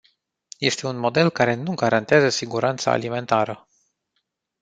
Este un model care nu garantează siguranța alimentară.